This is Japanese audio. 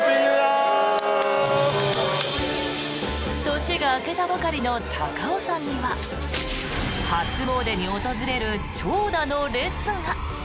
年が明けたばかりの高尾山には初詣に訪れる長蛇の列が。